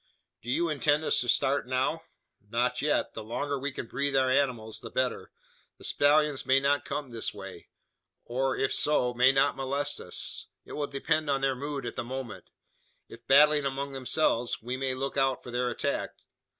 "Do you intend us to start now?" "Not yet. The longer we can breathe our animals the better. The stallions may not come this way; or if so, may not molest us. It will depend on their mood at the moment. If battling among themselves, we may look out for their attack.